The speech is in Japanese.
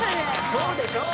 そうでしょう。